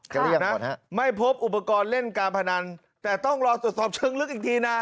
กระเลี่ยงก่อนนะไม่พบอุปกรณ์เล่นการพนันแต่ต้องรอตรวจสอบเชิงลึกอีกทีนะ